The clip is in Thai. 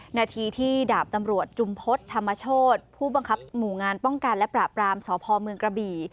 นาทีที่ดาบตำรวจจุมพฤษธรรมโชธผู้บังคับหมู่งานป้องกันและปราบรามสพเมืองกระบี่